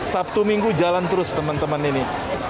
sabtu minggu jalan terus teman teman ini